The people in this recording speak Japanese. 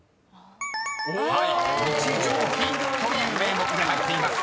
［はい「日常費」という名目で入っています。